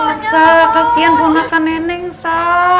neneng elsa kasihan kurang akan neneng elsa